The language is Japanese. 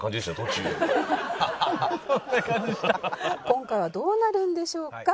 今回はどうなるんでしょうか？